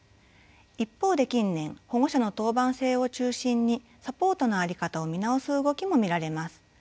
一方で近年保護者の当番制を中心にサポートの在り方を見直す動きも見られます。